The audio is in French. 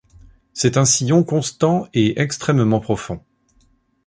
C'est un sillon constant et extrêmement profond.